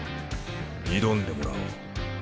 挑んでもらおう。